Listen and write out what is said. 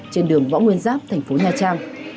trên đường võ nguyên giáp thành phố nha trang